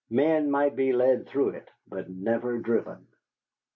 Men might be led through it, but never driven.